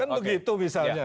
kan begitu misalnya